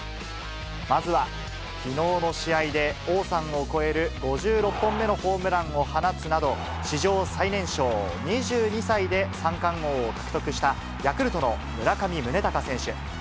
まずは、きのうの試合で王さんを超える５６本目のホームランを放つなど、史上最年少２２歳で三冠王を獲得したヤクルトの村上宗隆選手。